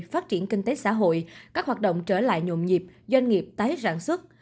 phát triển kinh tế xã hội các hoạt động trở lại nhộn nhịp doanh nghiệp tái sản xuất